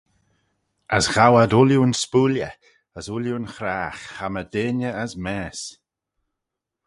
As ghow ad ooilley'n spooilley, as ooilley'n chragh, chammah deiney as maase.